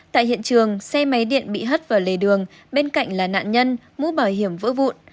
tại hiện trường xe máy điện bị hất vào lề đường bên cạnh là nạn nhân mũ bảo hiểm vỡ vụn